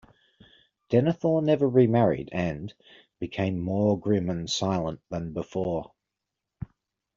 Denethor never remarried, and "became more grim and silent than before".